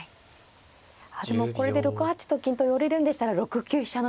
あでもこれで６八と金と寄れるんでしたら６九飛車の意味も。